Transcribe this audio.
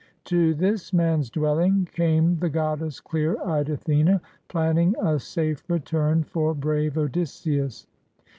To this man's dwelling came the goddess, clear eyed Athene, plaiming a safe return for brave Odysseus.